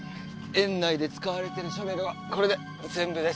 園内で使われてるシャベルはこれで全部です。